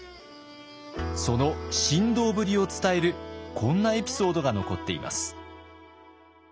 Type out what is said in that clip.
その神童ぶりを伝えるこんなエピソードが残っています。